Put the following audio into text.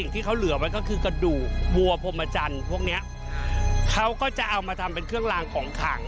เพื่อจะเอามาทำเป็นเครื่องร่างของขัง